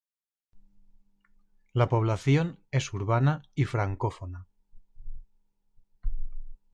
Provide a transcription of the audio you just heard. La población es urbana y francófona.